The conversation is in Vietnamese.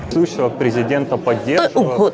tôi ủng hộ tổng thống nga